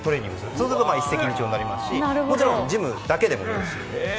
そうすると一石二鳥になりますしもちろんジムだけでもいいですし。